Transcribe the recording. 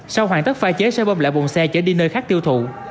sau hoàn tất pha chế xe bông lại bụng xe chở đi nơi khác tiêu thụ